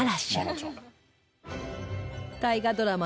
大河ドラマ